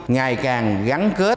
ngày càng gắn kết